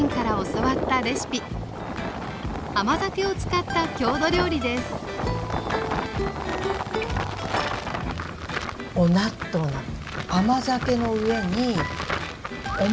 甘酒を使った郷土料理です「おなっとう」なの。